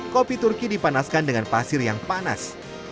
kopi turki dipanaskan dengan pasir yang panas